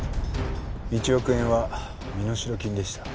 １億円は身代金でした。